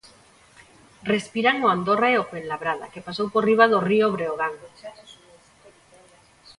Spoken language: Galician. Respiran o Andorra e o Fuenlabrada, que pasou por riba do Río Breogán.